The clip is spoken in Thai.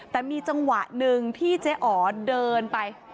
แต่มีจังหวะหนึ่งที่เจ๊อ๋อเดินไป